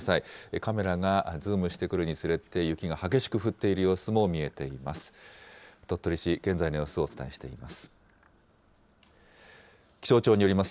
カメラがズームしてくるにつれて、雪が激しく降っている様子も見えています。